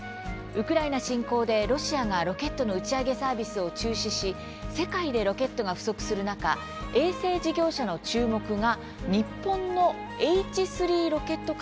ウクライナ侵攻でロシアがロケットの打ち上げサービスを中止し世界でロケットが不足する中衛星事業者の注目が日本のＨ３ロケット開発に集まっています。